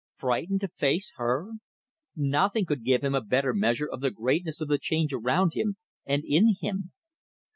Frightened to face her! Nothing could give him a better measure of the greatness of the change around him, and in him.